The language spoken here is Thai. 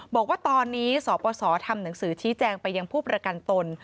บอกว่าตอนนี้สปสทำหนังสือชี้แจงไปยังผู้ประกันตน